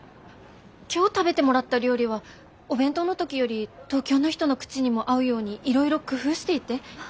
今日食べてもらった料理はお弁当の時より東京の人の口にも合うようにいろいろ工夫していて。